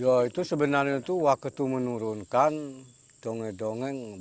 ya itu sebenarnya waktu menurunkan dongeng dongeng